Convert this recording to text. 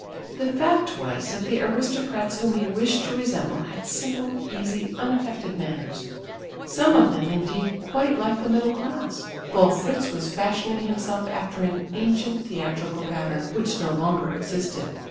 The fact was that the aristocrats whom he wished to resemble had simple, easy, unaffected manners, some of them indeed quite like the middle class, while Fritz was fashioning himself after an ancient theatrical pattern which no longer existed.